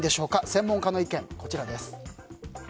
専門家の意見、こちらです。